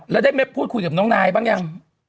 แล้วได้พูดคุยกับน้องนายบ้างยัง